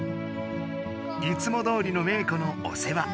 いつもどおりのメー子のお世話。